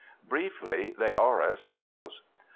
Briefly, they are as follows.